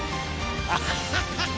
アハハハ！